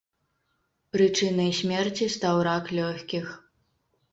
Прычынай смерці стаў рак лёгкіх.